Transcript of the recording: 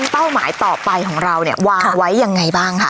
เป้าหมายต่อไปของเราเนี่ยวางไว้ยังไงบ้างค่ะ